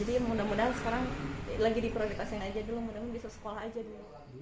jadi mudah mudahan sekarang lagi di proyek asing aja dulu mudah mudahan bisa sekolah aja dulu